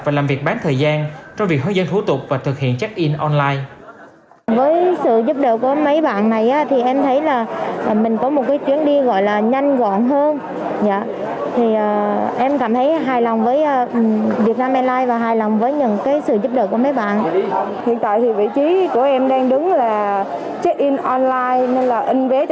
và làm việc bán thời gian trong việc hướng dẫn thu tục và thực hiện check in online